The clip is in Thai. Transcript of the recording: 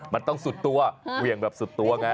มันต้องสุดตัวเหวี่ยงแบบสุดตัวไง